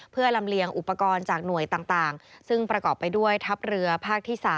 เพื่อลำเลียงอุปกรณ์จากหน่วยต่างซึ่งประกอบไปด้วยทัพเรือภาคที่๓